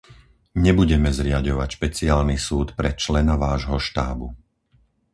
Nebudeme zriaďovať špeciálny súd pre člena vášho štábu.